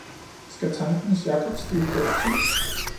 Skal tankens jakobsstige gå itu?